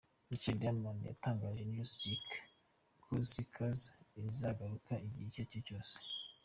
Michael Diamond, yatangarije Newsweek ko Zika izagaruka igihe icyo aricyo cyose.